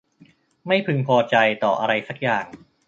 ไม่พึงพอใจต่ออะไรสักอย่าง